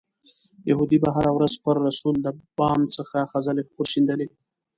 یهودي به هره ورځ پر رسول د بام څخه خځلې ورشیندلې.